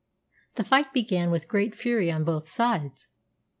The fight began with great fury on both sides.